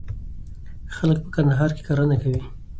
خلک په کندهار کي کرنه کوي.